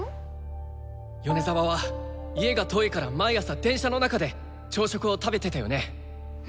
米沢は家が遠いから毎朝電車の中で朝食を食べてたよね。